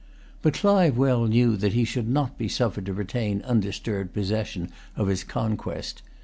But Clive well knew that he should not be suffered to retain undisturbed possession of his conquest.